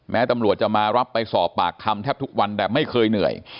ตำรวจจะมารับไปสอบปากคำแทบทุกวันแต่ไม่เคยเหนื่อย